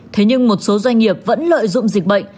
thế nhưng một số doanh nghiệp vẫn lợi dụng dịch bệnh